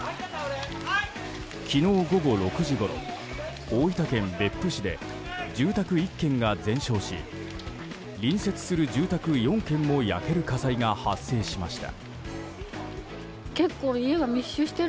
昨日午後６時ごろ大分県別府市で住宅１軒が全焼し隣接する住宅４軒も焼ける火災が発生しました。